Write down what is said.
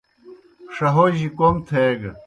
ݜہوجیْ کوْم تھیگہ۔